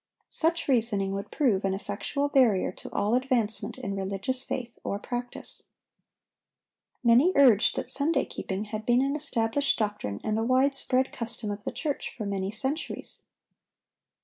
Such reasoning would prove an effectual barrier to all advancement in religious faith or practice. Many urged that Sunday keeping had been an established doctrine and a wide spread custom of the church for many centuries.